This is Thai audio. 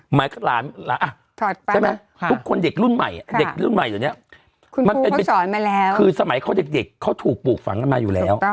หมายความคิดว่าล้านละทุกคนเด็กรุ่นใหม่ดังนั้นคือสมัยเขาเด็กเขาถูกปลูกฝังกันมาอยู่แล้ว